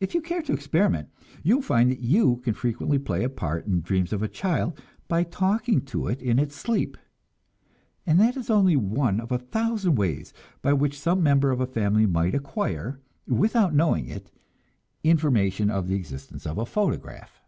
If you care to experiment, you will find that you can frequently play a part in the dreams of a child by talking to it in its sleep; and that is only one of a thousand different ways by which some member of a family might acquire, without knowing it, information of the existence of a photograph.